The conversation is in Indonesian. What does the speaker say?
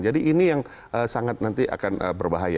jadi ini yang sangat nanti akan berbahaya